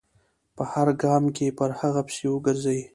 په هر ګام کې پر هغه پسې و ګرځي.